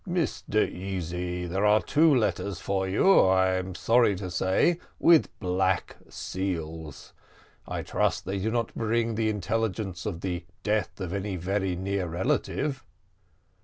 "Mr Easy, here are two letters for you, I am sorry to say with black seals. I trust that they do not bring the intelligence of the death of any very near relative."